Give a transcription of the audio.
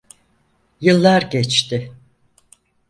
Yıllar geçti.